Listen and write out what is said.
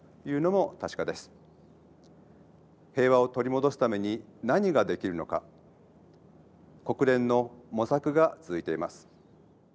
平和を取り戻すために何ができるのか国連の模索が続いています。